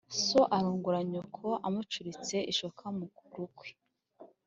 So arongora nyoko amucuritse-Ishoka mu rukwi.